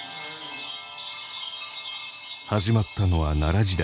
始まったのは奈良時代。